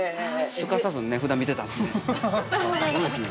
すかさず値札を見てたんですね。